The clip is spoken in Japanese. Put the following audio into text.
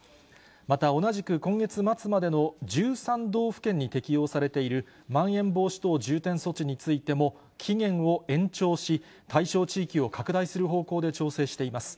また同じく今月末までの１３道府県に適用されている、まん延防止等重点措置についても期限を延長し、対象地域を拡大する方向で調整しています。